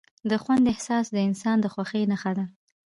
د خوند احساس د انسان د خوښۍ نښه ده.